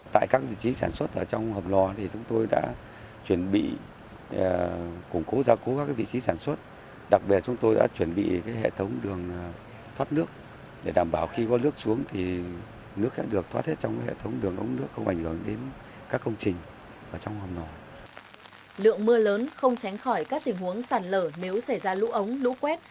lượng mưa lớn không tránh khỏi các tình huống sạt lở nếu xảy ra lũ ống lũ quét